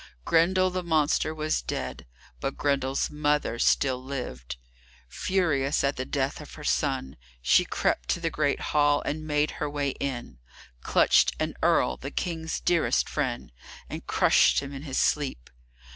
Grendel the monster was dead, but Grendel's mother still lived. Furious at the death of her son, she crept to the great hall, and made her way in, clutched an earl, the King's dearest friend, and crushed him in his sleep.